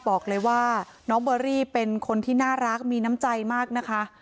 บอกเลยว่าน้องเบอรี่เป็นคนที่น่ารักมีน้ำใจมากนะคะ